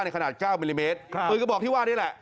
ขนาด๙มิลลิเมตรปืนกระบอกที่ว่านี่แหละ